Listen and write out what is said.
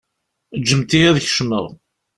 Ǧǧemt-iyi ad kecmeɣ.